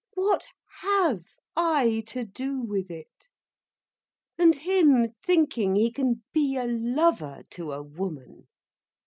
What have I to do with it—and him thinking he can be a lover to a woman!